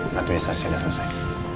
matematik saya sudah selesai